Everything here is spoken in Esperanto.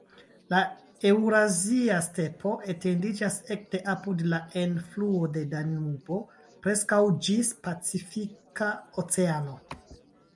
La Eŭrazia Stepo etendiĝas ekde apud la enfluo de Danubo preskaŭ ĝis Pacifika Oceano.